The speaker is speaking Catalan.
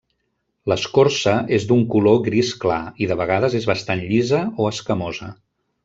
L'escorça és d'un color gris clar, i de vegades és bastant llisa o escamosa.